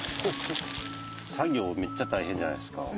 作業めっちゃ大変じゃないですか。